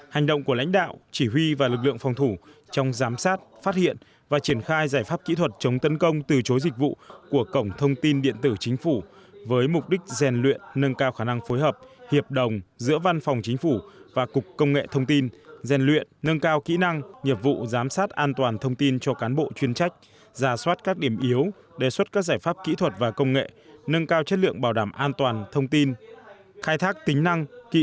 hành động của lãnh đạo chỉ huy và lực lượng phòng thủ trong giám sát phát hiện và triển khai giải pháp kỹ thuật chống tấn công từ chối dịch vụ của cổng thông tin điện tử chính phủ với mục đích rèn luyện nâng cao khả năng phối hợp hiệp đồng giữa văn phòng chính phủ và cục công nghệ thông tin rèn luyện nâng cao kỹ năng nhiệm vụ giám sát an toàn thông tin cho cán bộ chuyên trách giả soát các điểm yếu đề xuất các giải pháp kỹ thuật và công nghệ nâng cao chất lượng bảo đảm an toàn thông tin khai thác tính năng k